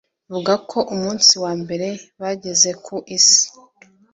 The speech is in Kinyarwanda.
avuga ko umunsi wa mbere bageze ku Isi